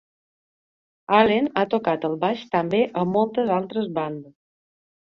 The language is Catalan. Allen ha tocat el baix també a moltes altres bandes